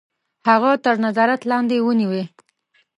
هغه تر نظارت لاندي ونیوی.